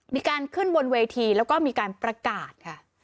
มีการขึ้นบนเวทีแล้วก็มีการประกาศค่ะ